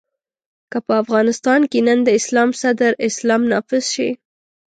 که په افغانستان کې نن د اسلام صدر اسلام نافذ شي.